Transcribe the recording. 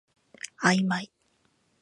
あいまい